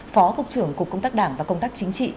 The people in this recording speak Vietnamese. phó cục trưởng cục công tác đảng và công tác chính trị